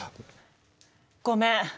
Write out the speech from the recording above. ごめん！